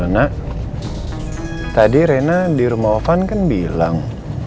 nak tadi rena di rumah ovan kan bilang